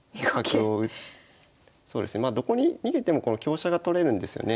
そうですねまあどこに逃げてもこの香車が取れるんですよね。